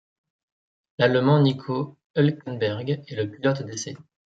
L'Allemand Nico Hülkenberg est le pilote d'essais.